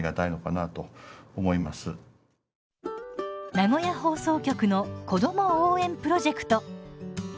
名古屋放送局の「子ども応援プロジェクト」。